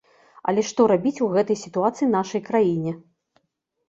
Але што рабіць у гэтай сітуацыі нашай краіне?